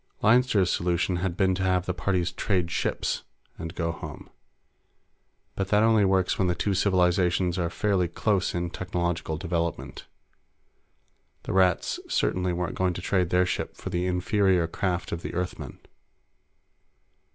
Leinster's solution had been to have the parties trade ships and go home, but that only works when the two civilizations are fairly close in technological development. The Rats certainly weren't going to trade their ship for the inferior craft of the Earthmen.